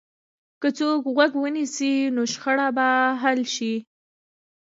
که څوک غوږ ونیسي، نو شخړه به حل شي.